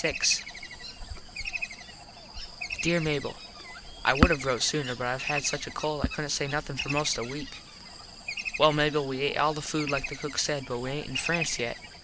_ Dere Mable: I would have rote sooner but I had such a cold I couldnt say nothin for most a weak. Well Mable, we et all the food like the cook said but we aint in France yet.